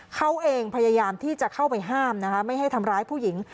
เขาเองพยายามที่จะเข้าไปห้ามนะคะไม่ให้ทำร้ายผู้หญิง